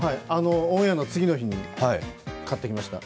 オンエアの次の日に買ってきました。